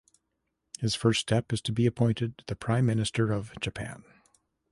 His first step is to be appointed the Prime Minister of Japan.